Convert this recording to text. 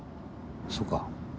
そうか